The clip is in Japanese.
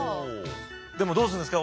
でもどうするんですか？